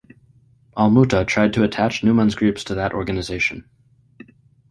Al-Muta tried to attach Numan's groups to that organization.